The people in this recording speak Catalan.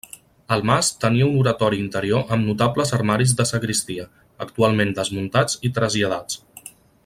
El mas tenia un oratori interior amb notables armaris de sagristia, actualment desmuntats i traslladats.